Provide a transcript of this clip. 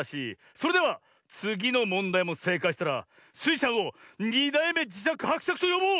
それではつぎのもんだいもせいかいしたらスイちゃんを「２だいめじしゃくはくしゃく」とよぼう！